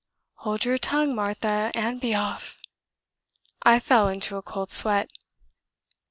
'Hold your tongue, Martha, and be off.' I fell into a cold sweat.